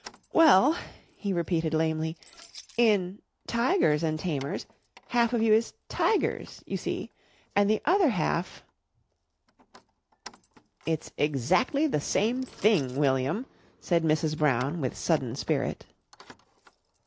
"Well," he repeated lamely, "in 'Tigers an' Tamers' half of you is tigers you see and the other half " "It's exactly the same thing, William," said Mrs. Brown with sudden spirit.